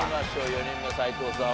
４人目斎藤さん